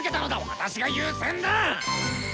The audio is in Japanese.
私が優先だ！